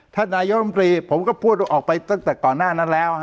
นายกรรมตรีผมก็พูดออกไปตั้งแต่ก่อนหน้านั้นแล้ว